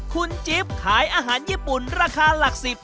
คุณจิ๊บขายอาหารญี่ปุ่นราคาหลัก๑๐